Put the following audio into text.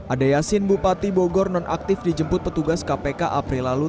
ade yasin bupati bogor nonaktif dijemput petugas kpk april lalu